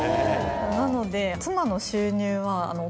なので。